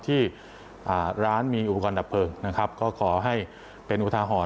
ที่ร้านมีอุปกรณ์ดับเพลิงนะครับก็ขอให้เป็นอุทาหรณ์